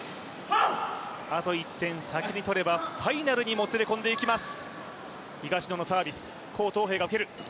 あと１点先に取ればファイナルにもつれ込んでいきます。